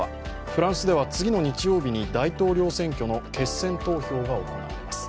フランスでは次の日曜日に大統領選挙の決選投票が行われます。